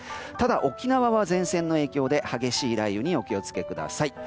ただ、沖縄は前線の影響で激しい雷雨にお気を付けください。